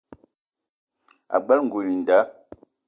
Ag͡bela ngoul i nda.